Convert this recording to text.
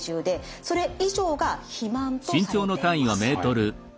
それ以上が肥満とされています。